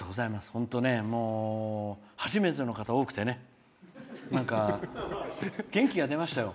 本当、初めての方多くてね元気が出ましたよ。